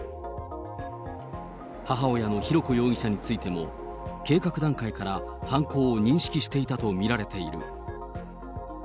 母親の浩子容疑者についても、計画段階から犯行を認識していたと見られている。